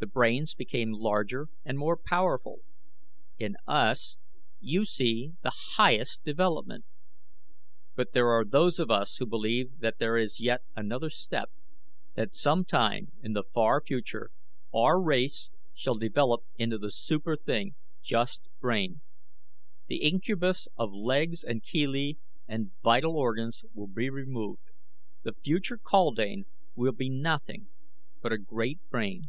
The brains became larger and more powerful. In us you see the highest development; but there are those of us who believe that there is yet another step that some time in the far future our race shall develop into the super thing just brain. The incubus of legs and chelae and vital organs will be removed. The future kaldane will be nothing but a great brain.